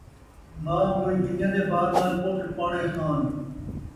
ماء موئی گن٘دیاں دے بار نال ، پتر پاݨے خان